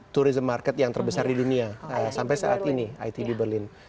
tourism market yang terbesar di dunia sampai saat ini itb berlin